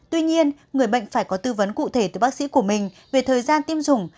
tuy nhiên người bệnh phải có tư vấn cụ thể từ bác sĩ của mình về thời gian tiêm chủng